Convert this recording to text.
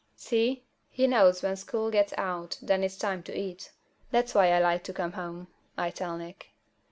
"See? He knows when school gets out then it's time to eat. That's why I like to come home," I tell Nick.